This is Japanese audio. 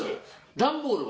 段ボールは？